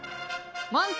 満点！